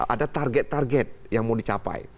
ada target target yang mau dicapai